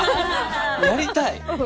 やりたい？